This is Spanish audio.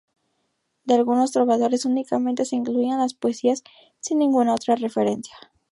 De algunos trovadores únicamente se incluían las poesías sin ninguna otra referencia.